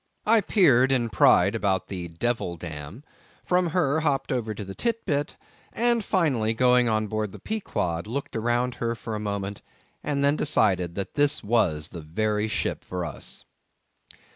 I peered and pryed about the Devil dam; from her, hopped over to the Tit bit; and finally, going on board the Pequod, looked around her for a moment, and then decided that this was the very ship for us.